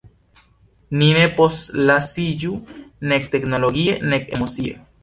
Ni ne postlasiĝu, nek teknologie nek emocie.